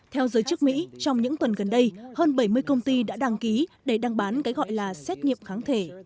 theo giới chức mỹ trong những tuần gần đây hơn bảy mươi công ty đã đăng ký để đăng bán cái gọi là xét nghiệm kháng thể